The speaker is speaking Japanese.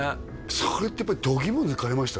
それってやっぱどぎも抜かれました？